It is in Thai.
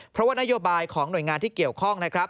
เพราะว่านโยบายของหน่วยงานที่เกี่ยวข้องนะครับ